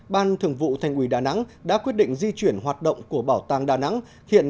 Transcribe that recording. ban thường vụ thành quỳ đà nẵng đã quyết định di chuyển hoạt động của bảo tàng đà nẵng hiện